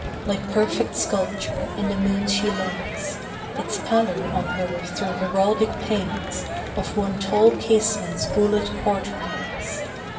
Like perfect sculpture in the moon she lies, Its pallor on her through heraldic panes Of one tall casement's guléd quarterings.